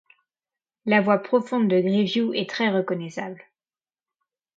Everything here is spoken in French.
La voix profonde de Grevioux est très reconnaissable.